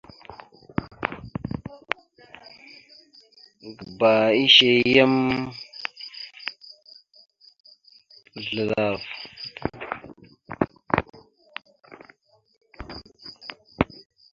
Gǝba ishe yam ɓəzlav.